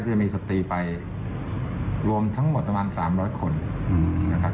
จะมีสตรีไปรวมทั้งหมดประมาณ๓๐๐คนนะครับ